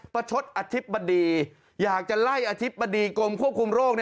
ชดอธิบดีอยากจะไล่อธิบดีกรมควบคุมโรค